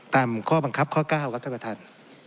ตามข้อบังคับข้อ๙ครับท่านประธาน